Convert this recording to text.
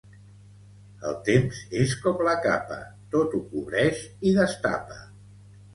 El temps és com la capa: tot ho cobreix i destapa.